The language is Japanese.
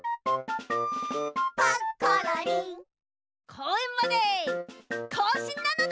こうえんまでこうしんなのだ！